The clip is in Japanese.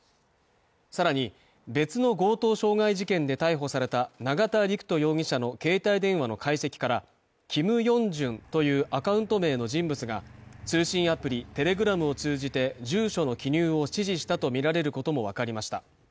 更に別の強盗傷害事件で逮捕された永田陸人容疑者の携帯電話の解析からキム・ヨンジュンというアカウント名の人物が通信アプリ・Ｔｅｌｅｇｒａｍを通じて住所の記入を指示したとみられることも分かりました。